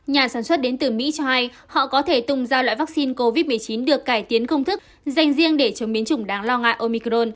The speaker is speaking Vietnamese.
nhà sản xuất đến từ mỹ cho hay họ có thể tung ra loại vaccine covid một mươi chín được cải tiến công thức dành riêng để chống biến chủng đáng lo ngại omicron